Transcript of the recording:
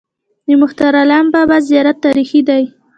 د مهترلام بابا زیارت تاریخي دی